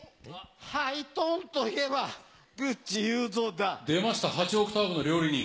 ハイトーンといえば、グッチ出ました、８オクターブの料理人。